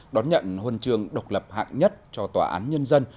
đón nhận huân trường độc lập hạng nhất cho tòa án nhân dân